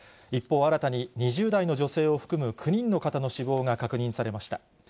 一方、新たに２０代の女性を含む９人の方の死亡が確認されました。